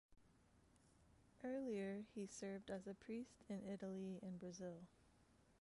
Earlier, he served as a priest in Italy and Brazil.